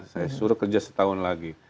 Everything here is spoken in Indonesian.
saya suruh kerja setahun lagi